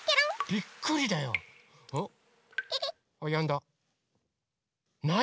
びっくりだよ。